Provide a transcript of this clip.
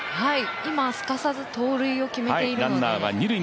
今、すかさず盗塁を決めているので。